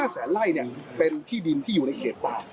แสนไล่เป็นที่ดินที่อยู่ในเขตป่า